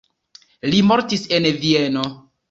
Li mortis en Vieno.